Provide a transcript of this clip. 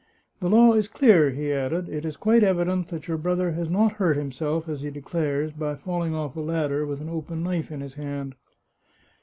" The law is clear," he added. " It is quite evident that your brother has not hurt himself, as he declares, by fall ing off a ladder with an open knife in his hand."